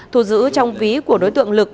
thu dữ trong ví của đối tượng lực